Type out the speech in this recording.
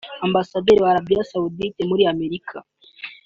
Ambasaderi wa Arabia Saoudite muri Amerika